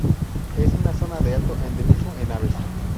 Es una zona de alto endemismo en aves.